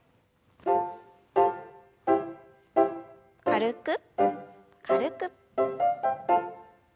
軽く軽く。